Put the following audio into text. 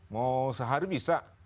mau sehari bisa